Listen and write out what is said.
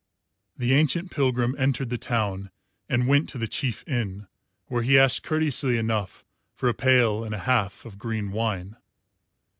The ancient pilgrim entered the town and went to the chief inn, where he asked courteously enough for a pail and a half of green wine.